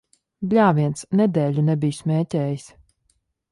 Bļāviens! Nedēļu nebiju smēķējis.